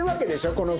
この服。